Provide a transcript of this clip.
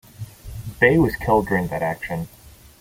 Bey was killed during that action.